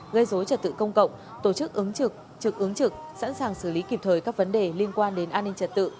gây dối trật tự công cộng tổ chức ứng trực trực ứng trực sẵn sàng xử lý kịp thời các vấn đề liên quan đến an ninh trật tự